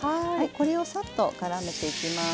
これをサッとからめていきます。